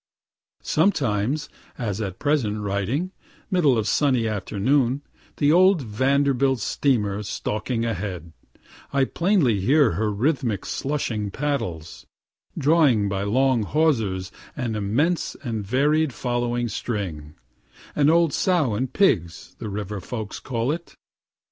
Sometimes (as at present writing,) middle of sunny afternoon, the old "Vanderbilt" steamer stalking ahead I plainly hear her rhythmic, slushing paddles drawing by long hawsers an immense and varied following string, ("an old sow and pigs," the river folks call it.)